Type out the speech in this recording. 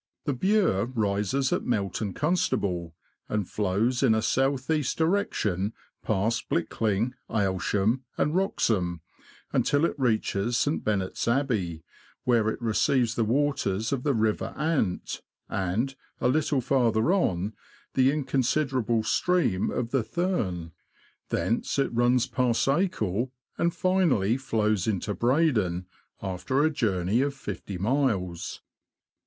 The Bure rises at Melton Constable, and flows in a south east direction past Blickling, Aylsham, and E 50 THE LAND OF THE BROADS. Wroxham, until it reaches St. Benet's Abbey, where it receives the waters of the River Ant, and, a little farther on, the inconsiderable stream of the Thurne ; thence it runs past Acle, and finally flows into Breydon, after a journey of fifty miles.